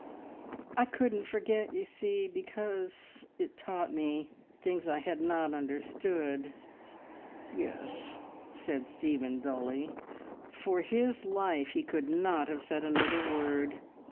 "I couldn't forget, you see, because it taught me ... things I had not understood !" "Yes," said Stephen dully. For his life he could not have said another word.